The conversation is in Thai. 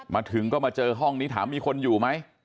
มาถึงก็มาเจอห้องนี้ถามมีคนอยู่ไหม